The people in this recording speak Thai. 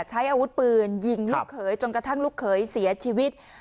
ใช้อาวุธปืนยิงลูกเขยจนกระทั่งลูกเขยเสียชีวิต